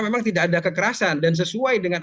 memang tidak ada kekerasan dan sesuai dengan